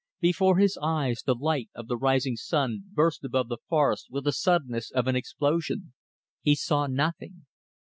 Before his eyes the light of the rising sun burst above the forest with the suddenness of an explosion. He saw nothing.